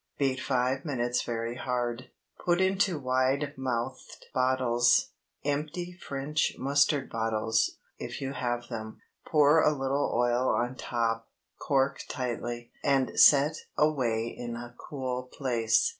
Beat five minutes very hard; put into wide mouthed bottles—empty French mustard bottles, if you have them—pour a little oil on top, cork tightly, and set away in a cool place.